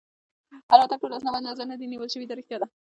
البته ټول اسناد مدنظر نه دي نیول شوي، دا ريښتیا ده.